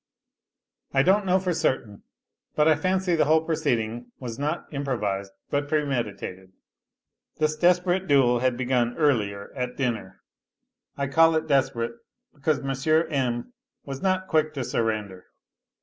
I don't know for certain, but I fancy the whole proceeding was not improvised but premeditated. This desperate duel had begun earlier, at dinner. I call it desperate because M. M. was not quick to surrender.